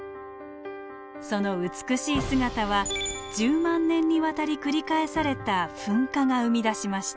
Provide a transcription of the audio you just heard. その美しい姿は１０万年にわたり繰り返された噴火が生み出しました。